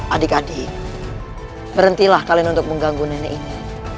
adik adik berhentilah kalian untuk mengganggu nenek ini